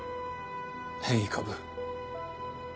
変異株。